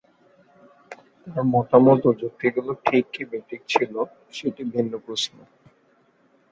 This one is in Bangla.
তাঁর মতামত ও যুক্তিগুলো ঠিক কি বেঠিক ছিল, সেটা ভিন্ন প্রশ্ন।